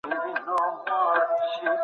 نسلونه د ټولنیز ژوند په جوړښت کي مهم رول لري.